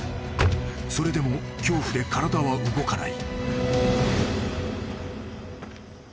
［それでも恐怖で体は動かない］